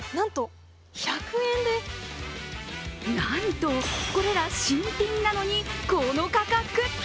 なんとこれら、新品なのにこの価格。